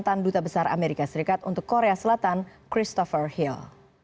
dan duta besar amerika serikat untuk korea selatan christopher hill